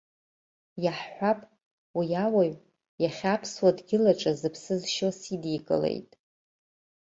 Иаҳҳәап, уи ауаҩ, иахьа аԥсуа дгьыл аҿы зыԥсы зшьо сидикылеит.